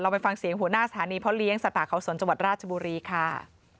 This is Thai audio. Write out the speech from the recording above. ไปฟังเสียงหัวหน้าสถานีพ่อเลี้ยงสัตว์เขาสนจังหวัดราชบุรีค่ะ